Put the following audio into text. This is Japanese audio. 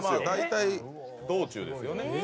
大体胴中ですよね。